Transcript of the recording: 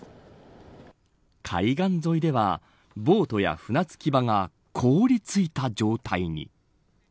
海岸沿いではボートや船着き場が凍りついた状態に。